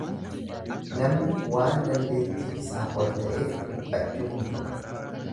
Namni waan dandeetti isaa ol ta'eef dhiphachuu hin qabu.